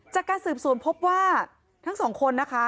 จากการสืบสวนพบว่าทั้งสองคนนะคะ